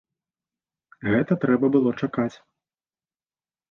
Гэта трэба было чакаць.